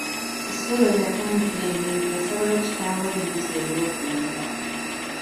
Kisuule we yatandikira emirimu yasabayo kitaawe embuzi ey’okulunda.